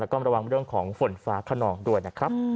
แล้วก็ระวังเรื่องของฝนฟ้าขนองด้วยนะครับ